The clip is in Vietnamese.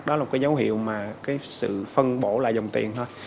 đó là một cái dấu hiệu mà cái sự phân bổ lại dòng tiền thôi